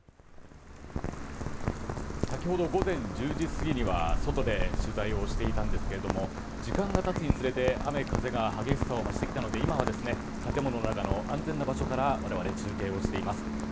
先ほど午前１０時過ぎには外で取材をしていたんですが時間が経つにつれて雨風が激しさを増してきたので今は、建物の中の安全な場所から我々、中継をしています。